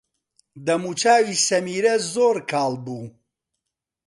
دەموچاوی سەمیرە زۆر کاڵ بوو.